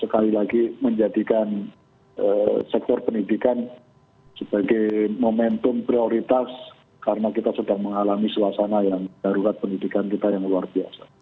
sekali lagi menjadikan sektor pendidikan sebagai momentum prioritas karena kita sedang mengalami suasana yang darurat pendidikan kita yang luar biasa